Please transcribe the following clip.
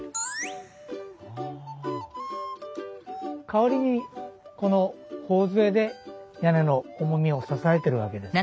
代わりにこの頬杖で屋根の重みを支えてるわけです。